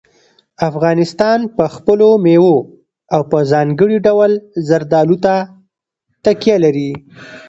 افغانستان په خپلو مېوو او په ځانګړي ډول زردالو تکیه لري.